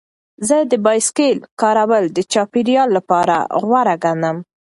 زه د بایسکل کارول د چاپیریال لپاره غوره ګڼم.